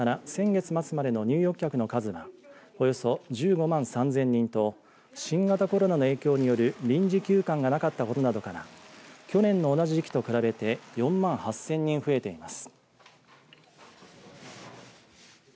松山市によりますとことし１月から先月末までの入浴客の数はおよそ１５万３０００人と新型コロナの影響による臨時休館がなかったことなどから去年の同じ時期と比べて４万８０００人増えています。